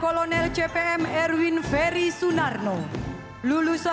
selanjutnya batalion kabupaten kedua